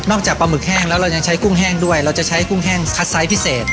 จากปลาหมึกแห้งแล้วเรายังใช้กุ้งแห้งด้วยเราจะใช้กุ้งแห้งคัดไซส์พิเศษ